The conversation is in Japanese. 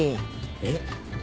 えっ？